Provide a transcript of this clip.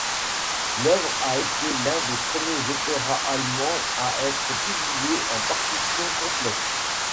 L'œuvre a été l'un des premiers opéras allemands à être publié en partition complète.